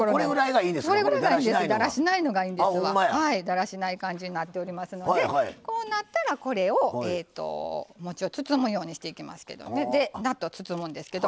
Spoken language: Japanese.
だらしない感じになっておりますのでこうなったらこれをもちを包むようにしていきますけど納豆を包むんですけど。